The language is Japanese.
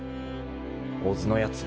小津のやつ